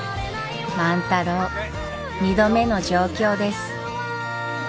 万太郎２度目の上京です。